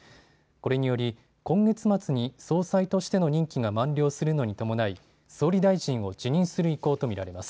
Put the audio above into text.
これにより今月末に総裁としての任期が満了するのに伴い、総理大臣を辞任する意向と見られます。